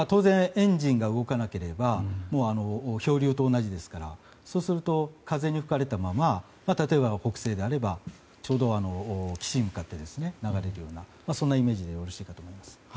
エンジンが動かなければ漂流と同じですからそうすると、風に吹かれたまま例えば北西であればちょうど岸に向かって流れるようなそんなイメージでよろしいかと思います。